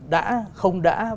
đã không đã